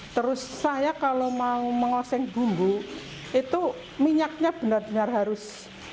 terus saya kalau mau mengoseng bumbu itu minyaknya benar benar harus